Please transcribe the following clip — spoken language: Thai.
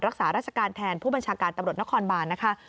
รักษาราชการแทนผู้บัญชาการตำรวจนครบานนะคะ